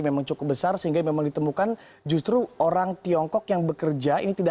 memang cukup besar sehingga memang ditemukan justru orang tiongkok yang bekerja ini tidak